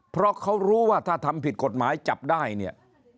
เพราะเขารู้ว่าถ้าทำผิดกฎหมายจับได้เนี่ย